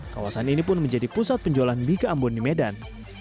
kawasan ini pun menjadi pusat penjualan bika ambon di medan